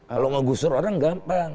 kalau menggusur orang gampang